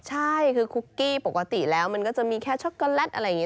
ใช่คือคุกกี้ปกติแล้วมันก็จะมีแค่ช็อกโกแลตอะไรอย่างนี้